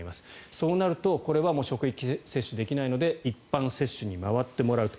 そうなるとこれは職域接種できないので一般接種に回ってもらうと。